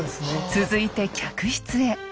続いて客室へ。